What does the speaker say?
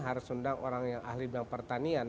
harus undang orang yang ahli bidang pertanian